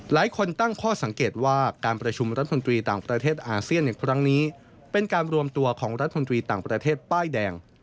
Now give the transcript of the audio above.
หลายคนตั้งข้อสังเกตว่าการประชุมรัฐมนตรีต่างประเทศอาเซียนในครั้งนี้เป็นการรวมตัวของรัฐมนตรีต่างประเทศป้ายแดง